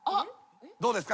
どうですか？